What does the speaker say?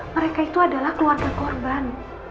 mereka itu adalah keluarga korban